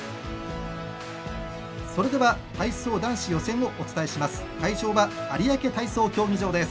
それでは体操男子予選をお伝えします。